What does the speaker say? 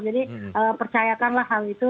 jadi percayakanlah hal itu